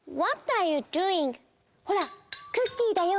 ほらクッキーだよ。